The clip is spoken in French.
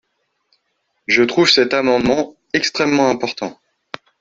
Je trouve cet amendement extrêmement important.